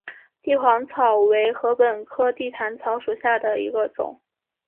帝皇草为禾本科地毯草属下的一个种。